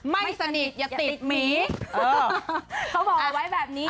ไม่สนิทอย่าติดหมี